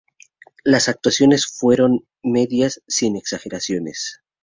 Las actuaciones fueron medias, sin exageraciones.